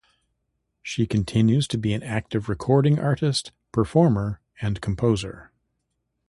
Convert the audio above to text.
She continues to be an active recording artist, performer and composer.